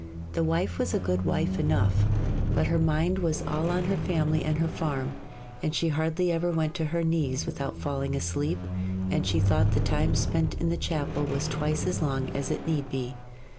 The wife was a good wife enough, but her mind was all on her family and her farm, and she hardly ever went to her knees without falling asleep, and she thought the time spent in the chapel was twice as long as it need be.